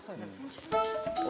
お？